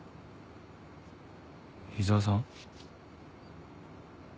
井沢さん？